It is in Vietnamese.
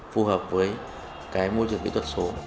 phù hợp với cái môi trường kỹ thuật số